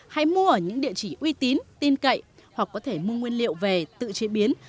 hay mua ở những địa chỉ uy tín tin cậy hoặc có thể mua nguyên liệu về tự chế biến